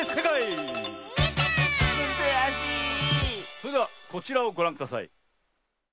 それではこちらをごらんください。